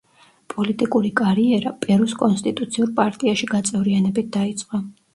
პოლიტიკური კარიერა, პერუს კონსტიტუციურ პარტიაში გაწევრიანებით დაიწყო.